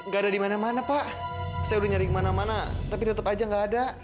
gak ada di mana mana pak saya udah nyari ke mana mana tapi tetep aja gak ada